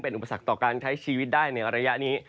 อุปสรรคต่อการใช้ชีวิตได้ในระยะนี้